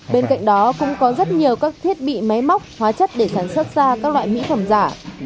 bên cạnh đó cũng có rất nhiều các thiết bị máy móc hóa chất để sản xuất ra các loại mỹ phẩm giả